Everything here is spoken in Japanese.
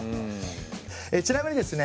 ちなみにですね